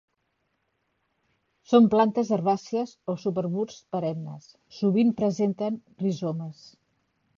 Són plantes herbàcies o subarbusts perennes, sovint presenten rizomes.